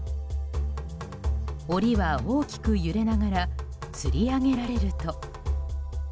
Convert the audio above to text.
檻は大きく揺れながらつり上げられると。